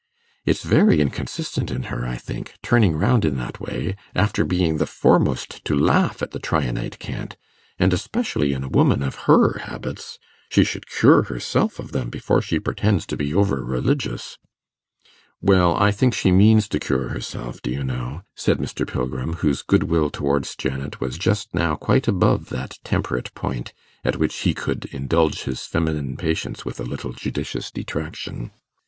It's very inconsistent in her, I think, turning round in that way, after being the foremost to laugh at the Tryanite cant, and especially in a woman of her habits; she should cure herself of them before she pretends to be over religious.' 'Well, I think she means to cure herself, do you know,' said Mr. Pilgrim, whose goodwill towards Janet was just now quite above that temperate point at which he could indulge his feminine patients with a little judicious detraction.